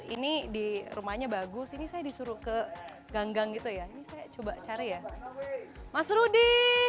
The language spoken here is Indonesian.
ini di rumahnya bagus ini saya disuruh ke ganggang gitu ya ini saya coba cari ya mas rudy